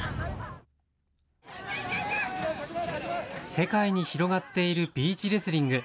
世界に広がっているビーチレスリング。